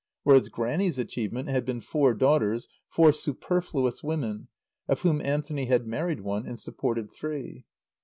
Whereas Grannie's achievement had been four daughters, four superfluous women, of whom Anthony had married one and supported three.